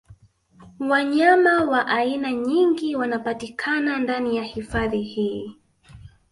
Wanyama wa aina nyingi wanapatikana ndani ya hifadhi hii